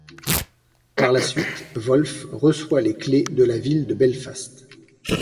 Par la suite, Wolff reçoit les Clés de la ville de Belfast.